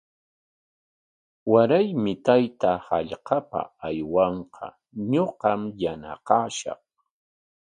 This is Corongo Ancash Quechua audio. Waraymi taytaa hallqapa aywanqa, ñuqam yanaqashaq.